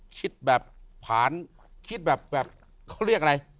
คิดแบบผ่านคิดแบบเขาเรียกอะไร